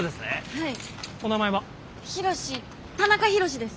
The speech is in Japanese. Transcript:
はい。